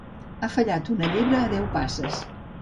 Ha fallat una llebre a deu passes.